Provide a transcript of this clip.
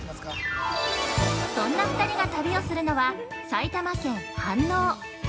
そんな２人が旅をするのは埼玉県・飯能。